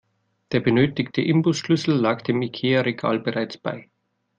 Der benötigte Imbusschlüssel lag dem Ikea-Regal bereits bei.